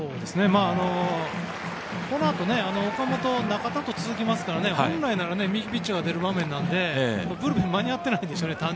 このあと岡本、中田と続きますから本来なら、右ピッチャーが出る場面なのでブルペン間に合っていないんでしょうね。